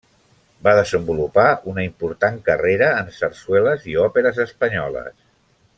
Va desenvolupar una important carrera en sarsueles i òperes espanyoles.